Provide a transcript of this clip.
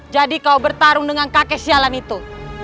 jadi kau bertarung dengan kakek sialan itu